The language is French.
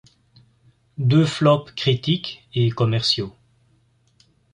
Deux flops critiques et commerciaux.